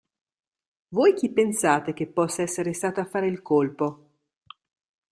"Voi chi pensate che possa essere stato a fare il colpo?